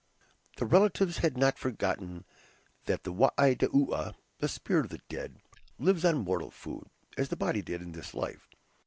The relatives had not forgotten that the "Waidoua," the spirit of the dead, lives on mortal food, as the body did in this life.